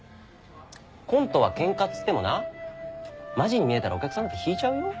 コントはケンカっつってもなマジに見えたらお客さんだって引いちゃうよ。